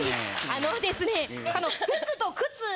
あのですね。